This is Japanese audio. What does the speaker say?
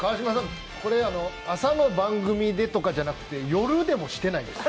これは朝の番組でとかじゃなくて、夜でもしてないです。